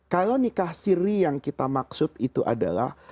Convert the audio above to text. kalau nikah siri yang kita maksud itu adalah